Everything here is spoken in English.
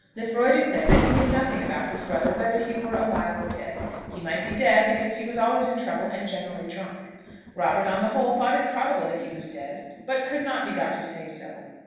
Lefroy declared that he knew nothing about his brother, whether he were alive or dead. He might be dead, because he was always in trouble, and generally drunk. Robert, on the whole, thought it probable that he was dead, but could not be got to say so.